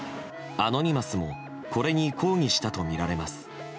アノニマスもこれに抗議したとみられます。